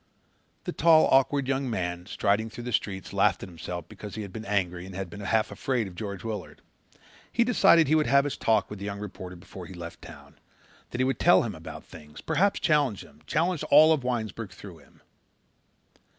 The tall awkward young man, striding through the streets, laughed at himself because he had been angry and had been half afraid of George Willard. He decided he would have his talk with the young reporter before he left town, that he would tell him about things, perhaps challenge him, challenge all of Winesburg through him.